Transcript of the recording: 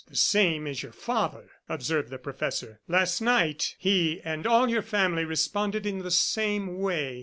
"The same as your father," observed the professor. "Last night he and all your family responded in the same way.